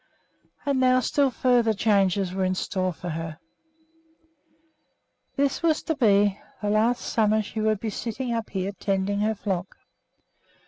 And now still further changes were in store for her. This was to be the last summer she would be sitting up here tending her flock.